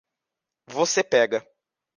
Você pega